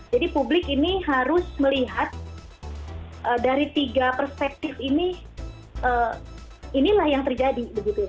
jadi publik ini harus melihat dari tiga perspektif ini inilah yang terjadi